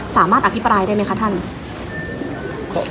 สามารถอภิปรายได้ไหมคะท่าน